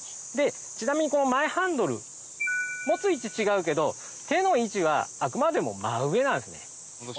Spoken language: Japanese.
ちなみにこの前ハンドル持つ位置違うけど手の位置はあくまでも真上なんですね。